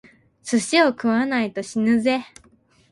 寿司を食わないと死ぬぜ！